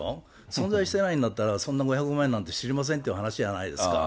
存在してないんだったら、そんな５００万円なんて知りませんっていう話じゃないですか。